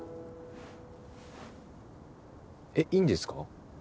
えっいいんですか？